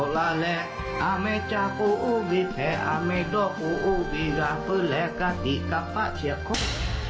และการดีกับพระเชียครบ